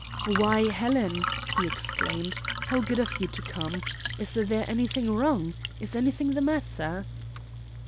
"Why, Helen!" he exclaimed, "how good of you to come. Is there anything wrong? Is anything the matter?"